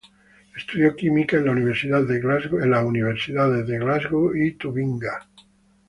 Estudió química en las universidades de Glasgow y Tubinga.